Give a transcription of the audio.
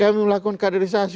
kami melakukan kandilisasi